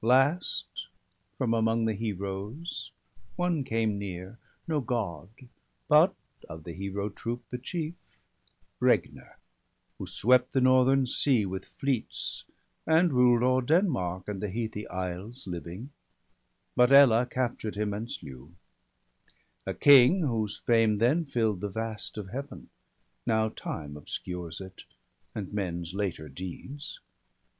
Last, from among the Heroes one came near. No God, but of the hero troop the chief — Regner, who swept the northern sea with fleets, And ruled o'er Denmark and the heathy isles, Living; but Ella captured him and slew; — A king, whose fame then fill'd the vast of Heaven, Now time obscures it, and men's later deeds.